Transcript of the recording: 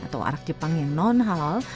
atau arak jepang yang non halal